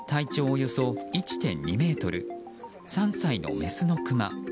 およそ１．２ｍ３歳のメスのクマ。